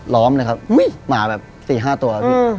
ล้อมเลยครับหมาแบบ๔๕ตัว